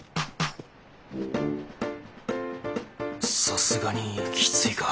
さすがにきついか。